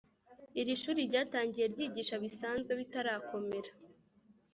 iri shuri ryatangiye ryigisha bisanzwe bitarakomera